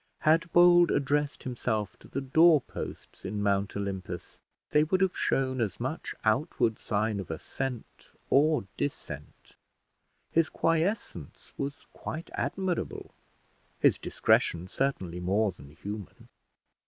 Had Bold addressed himself to the doorposts in Mount Olympus, they would have shown as much outward sign of assent or dissent. His quiescence was quite admirable; his discretion certainly more than human.